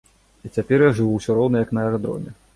І цяпер я жыву ўсё роўна як на аэрадроме.